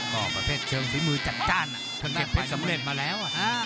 ก็ประเภทเชิงฝีมือจัดจ้านจนเก็บเพชรสำเร็จมาแล้ว